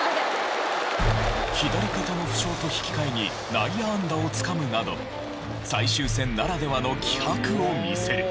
左肩の負傷と引き換えに内野安打をつかむなど最終戦ならではの気迫を見せる。